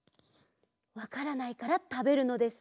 わからないからたべるのです。